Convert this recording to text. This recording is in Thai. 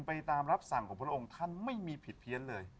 ไปตามรับสั่งของพระองค์ท่านไม่มีผิดเพี้ยนเลย